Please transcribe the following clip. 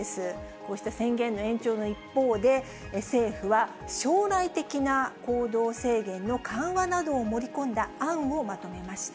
こうした宣言の延長の一方で、政府は将来的な行動制限の緩和などを盛り込んだ案をまとめました。